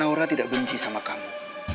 aura tidak benci sama kamu